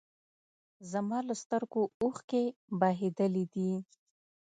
زما له سترګو اوښکې بهېدلي دي